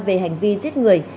về hành vi giết người